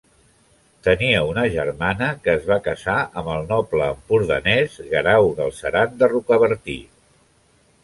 Tenia una germana que es va casar amb el noble empordanès Guerau Galceran de Rocabertí.